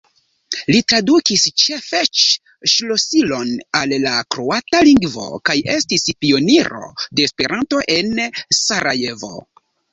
Li tradukis Ĉefeĉ-ŝlosilon al la kroata lingvo kaj estis pioniro de Esperanto en Sarajevo.